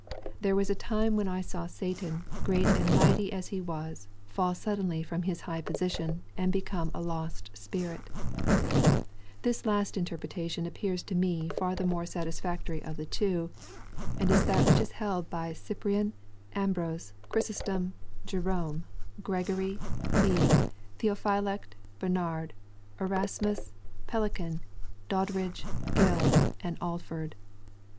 " There was a time when I saw Satan, great and mighty as he was, fall suddenly from his high position, and become a lost spirit" This last interpretation appears to me far the more satisfiictory of the two, and is that which is held by Cyprian, Ambrose, Ohrysostom, Jerome, Gregory, Bede, Theo phylact, Bernard, Erasmus, Pellican, Doddridge, Gill, and Al ford.